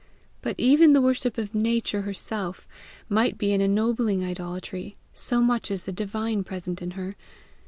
But even the worship of Nature herself might be an ennobling idolatry, so much is the divine present in her.